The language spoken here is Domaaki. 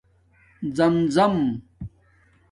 زَمزم